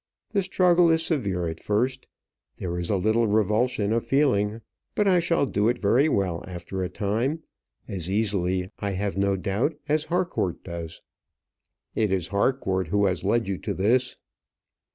The struggle is severe at first; there is a little revulsion of feeling; but I shall do it very well after a time; as easily, I have no doubt, as Harcourt does." "It is Harcourt who has led you to this."